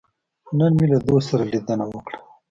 نن مې له دوست سره لیدنه وکړه.